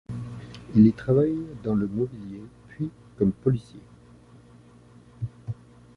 Il y travaille dans le mobilier puis comme policier.